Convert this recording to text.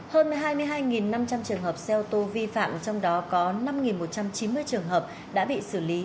hơn hai mươi hai năm trăm linh trường hợp xe ô tô vi phạm trong đó có năm một trăm chín mươi trường hợp đã bị xử lý